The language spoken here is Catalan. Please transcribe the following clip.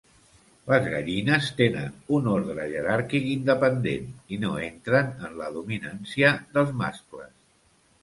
Les gallines tenen un ordre jeràrquic independent i no entren en la dominància dels mascles.